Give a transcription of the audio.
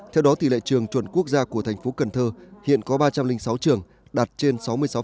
theo đó tỷ lệ trường chuẩn quốc gia của thành phố cần thơ hiện có ba trăm linh sáu trường đạt trên sáu mươi sáu